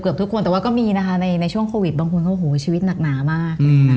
ทุกคนแต่ว่าก็มีนะคะในช่วงโควิดบางคนก็โหชีวิตหนักหนามาก